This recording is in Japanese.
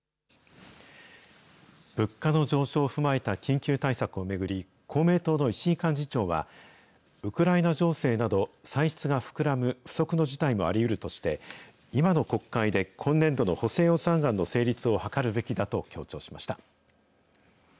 物価の上昇を踏まえた緊急対策を巡り、公明党の石井幹事長は、ウクライナ情勢など、歳出が膨らむ不測の事態もありえるとして、今の国会で今年度の補正予算案の成立を図るべきだと強調しました。